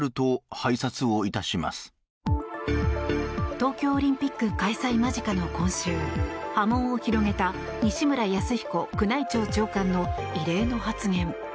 東京オリンピック開催間近の今週波紋を広げた西村泰彦宮内庁長官の異例の発言。